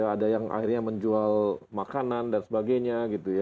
ada yang akhirnya menjual makanan dan sebagainya